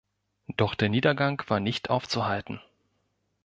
Doch der Niedergang war nicht aufzuhalten.